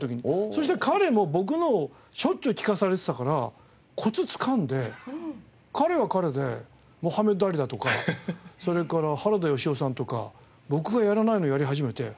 そしたら彼も僕のをしょっちゅう聞かされてたからコツつかんで彼は彼でモハメド・アリだとかそれから原田芳雄さんとか僕がやらないのやり始めて。